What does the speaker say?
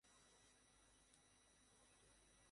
আহ, বারবার বলা গুরুত্বপূর্ণ বলেই বলেছি।